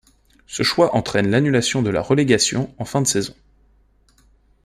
Ce choix entraîne l'annulation de la relégation en fin de saison.